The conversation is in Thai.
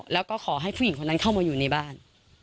แล้วก็ขอให้ผู้หญิงคนนั้นเข้ามาอยู่ในบ้าน